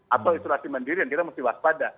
atau isolasi mandiri kita harus waspada